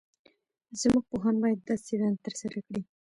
زموږ پوهان باید دا څېړنه ترسره کړي.